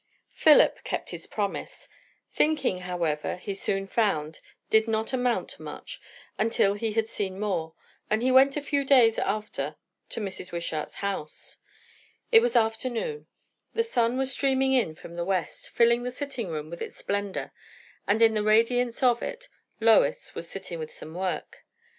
Philip kept his promise. Thinking, however, he soon found, did not amount to much till he had seen more; and he went a few days after to Mrs. Wishart's house. It was afternoon. The sun was streaming in from the west, filling the sitting room with its splendour; and in the radiance of it Lois was sitting with some work.